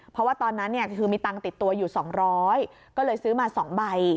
เพราะว่าตอนนั้นคือมีตังค์ติดตัวอยู่๒๐๐ก็เลยซื้อมา๒ใบ